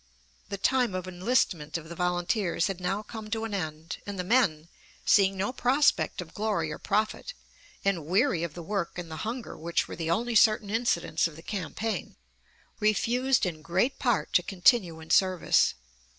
The time of enlistment of the volunteers had now come to an end, and the men, seeing no prospect of glory or profit, and weary of the work and the hunger which were the only certain incidents of the campaign, refused in great part to continue in service.